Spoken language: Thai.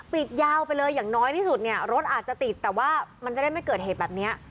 ยาวไปเลยอย่างน้อยที่สุดเนี่ยรถอาจจะติดแต่ว่ามันจะได้ไม่เกิดเหตุแบบนี้